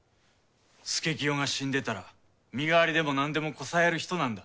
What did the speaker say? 佐清が死んでたら身代わりでもなんでもこさえる人なんだ。